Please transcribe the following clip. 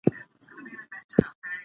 که اورېدل وي نو خبرې نه ګډوډیږي.